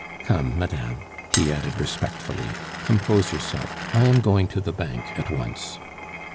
"Come, madame," he added respectfully, "compose yourself; I am going to the Bank at once."